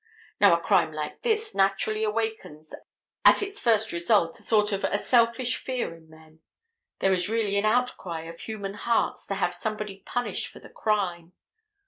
Now a crime like this naturally awakens at its first result a sort of a selfish fear in men. There is really an outcry of human hearts to have somebody punished for the crime.